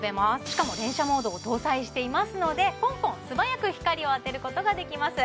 しかも連射モードを搭載していますのでぽんぽん素早く光を当てることができます